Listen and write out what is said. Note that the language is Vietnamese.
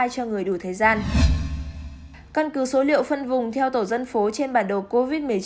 căn cứ số liệu phân vùng theo tổ dân phố trên bản đồ covid một mươi chín